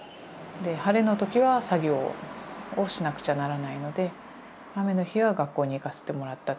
晴れの時は作業をしなくちゃならないので雨の日は学校に行かせてもらった。